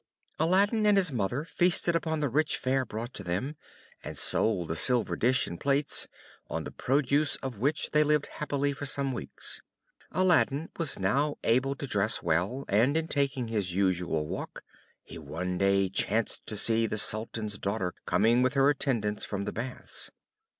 Aladdin and his mother feasted upon the rich fare brought to them, and sold the silver dish and plates, on the produce of which they lived happily for some weeks. Aladdin was now able to dress well, and in taking his usual walk, he one day chanced to see the Sultan's daughter coming with her attendants from the baths.